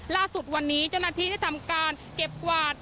ล่าสุดวันนี้เจ้าหน้าที่ได้ทำการเก็บกวาด